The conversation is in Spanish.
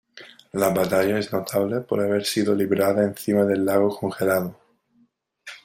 La batalla es notable por haber sido librada encima del lago congelado.